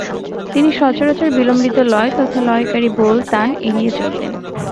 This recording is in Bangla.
তিনি সচরাচর বিলম্বিত লয় তথা লয়কারি বোল, তান এড়িয়ে চলতেন।